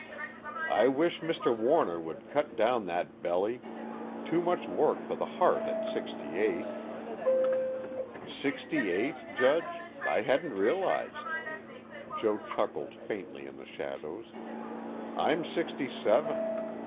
"I wish Mr. Warner would cut down that belly. Too much work for the heart at sixty eight." "Sixty eight, Judge? I hadn't realized." Joe chuckled faintly in the shadows. "I'm sixty seven.